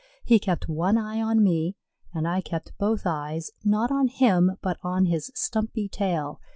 He kept one eye on me, and I kept both eyes, not on him, but on his stumpy tail.